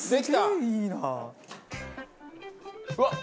うわっ！